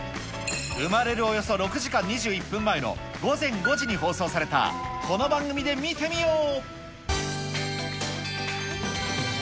生まれるおよそ６時間２１分前の午前５時に放送されたこの番組で見てみよう。